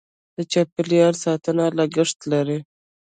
د چاپیریال ساتنه لګښت لري.